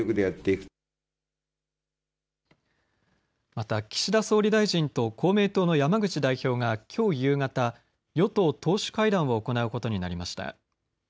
また岸田総理大臣と公明党の山口代表がきょう夕方、与党党首会談を行うことになりました。